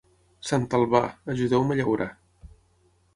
Sant Albà, ajudeu-me a llaurar.